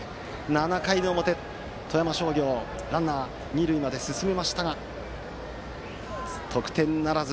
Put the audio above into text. ７回の表、富山商業ランナー、二塁まで進めましたが得点ならず。